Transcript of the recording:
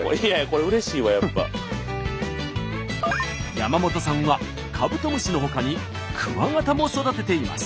山本さんはカブトムシのほかにクワガタも育てています。